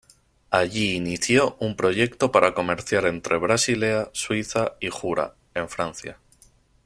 Allí inició un proyecto para comerciar entre Basilea, Suiza, y Jura, en Francia.